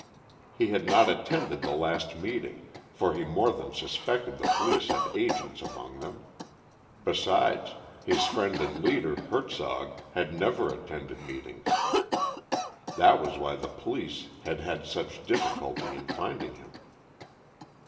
He had not attended the last meeting, for he more than suspected the police had agents among them; besides, his friend and leader, Hertzog, had never attended meetings. That was why the police had had such difficulty in finding him.